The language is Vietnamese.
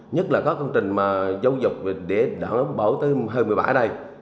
nhất là có công trình mà dấu dục để đợt nông thôn bảo tư hơn một mươi bảy ở đây